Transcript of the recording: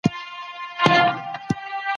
احمد شاه ابدالي څنګه د اړیکو پراخوالی یقیني کړ؟